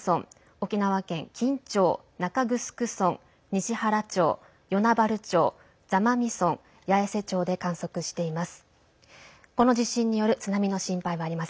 沖縄県金武町中城村、西原町、与那原村座間味町八重瀬町で観測しています。